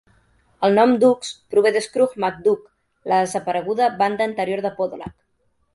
El nom "Duhks" prové de Scruj MacDuhk, la desapareguda banda anterior de Podolak.